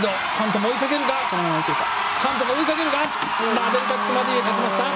マデリタクスマデウィが勝ちました！